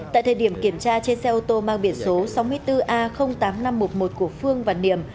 tại thời điểm kiểm tra trên xe ô tô mang biển số sáu mươi bốn a tám nghìn năm trăm một mươi một của phương và niềm